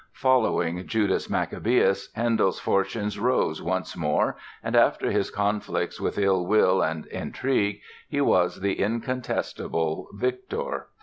Following "Judas Maccabaeus" Handel's fortunes rose once more and after his conflicts with ill will and intrigue he was the incontestable victor.